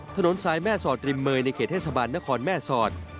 ถนนสายแม่สอดริมเมย์ในเขตเทศบาลนครแม่สอด